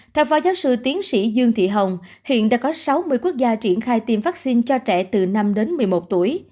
theo phó giáo sư tiến sĩ dương thị hồng hiện đã có sáu mươi quốc gia triển khai tiêm vaccine cho trẻ từ năm đến một mươi một tuổi